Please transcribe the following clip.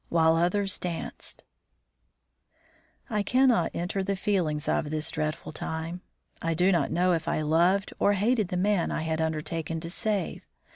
WHILE OTHERS DANCED. I CANNOT enter into the feelings of this dreadful time. I do not know if I loved or hated the man I had undertaken to save.